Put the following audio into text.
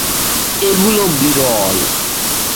এগুলো বিরল।